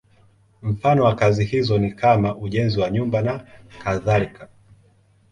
Mfano wa kazi hizo ni kama ujenzi wa nyumba nakadhalika.